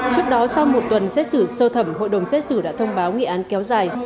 trước đó sau một tuần xét xử sơ thẩm hội đồng xét xử đã thông báo nghị án kéo dài